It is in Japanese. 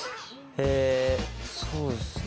えそうですね